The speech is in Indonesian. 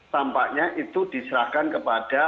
tampaknya itu diserahkan kepada